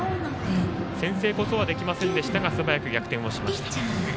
先制こそはできませんが素早く逆転をしました。